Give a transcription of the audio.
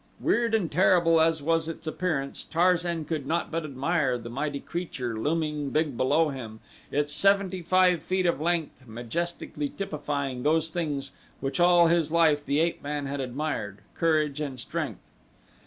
Weird and terrible as was its appearance Tarzan could not but admire the mighty creature looming big below him, its seventy five feet of length majestically typifying those things which all his life the ape man had admired courage and strength.